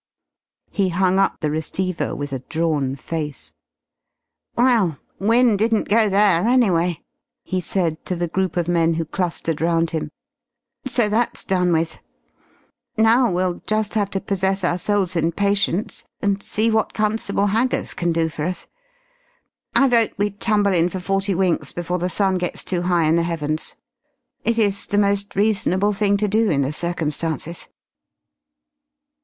He hung up the receiver with a drawn face. "Well, Wynne didn't go there, anyway," he said to the group of men who clustered round him. "So that's done with. Now we'll just have to possess our souls in patience, and see what Constable Haggers can do for us. I vote we tumble in for forty winks before the sun gets too high in the heavens. It is the most reasonable thing to do in the circumstances."